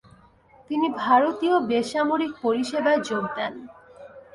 তিনি ভারতীয় বেসামরিক পরিসেবায় যোগ দেন।